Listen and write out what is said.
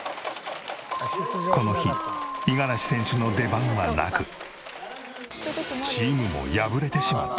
この日五十嵐選手の出番はなくチームも敗れてしまった。